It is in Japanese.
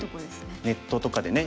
ネットとかでね